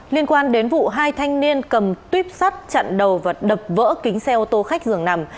liên quan đến vụ hai thanh niên cầm tuyếp sắt chặn đầu và đập vỡ kính xe ô tô khách dường nằm